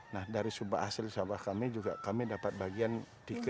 nah dari subak hasil sawah kami juga kami dapat bagian dikeluarga